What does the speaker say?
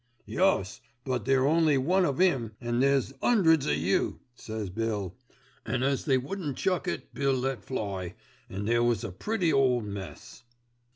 "'Yus, but there's only one o' 'im and there's 'undreds o' you,' says Bill, an' as they wouldn't chuck it Bill let fly, an' there was a pretty old mess."